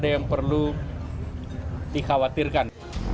jadi tidak ada yang perlu dikhawatirkan